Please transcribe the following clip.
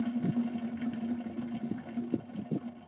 获奖作品与获奖者以粗体字显示。